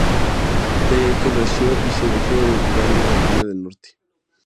Clay Aiken nació y se crio en Raleigh, Carolina del Norte.